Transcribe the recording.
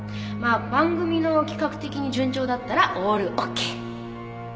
まあ番組の企画的に順調だったらオールオーケー！